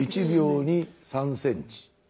１秒に３センチ。